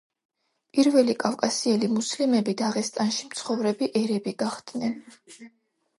პირველი კავკასიელი მუსლიმები დაღესტანში მცხოვრები ერები გახდნენ.